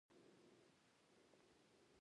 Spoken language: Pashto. تا به وې پاچا له خوبه را او چت شو.